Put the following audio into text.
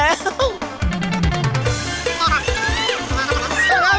สวัสดีค่ะ